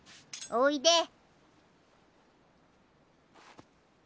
おいで。